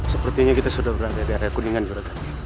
sepertinya kita sudah berada di daerah kuningan jorokat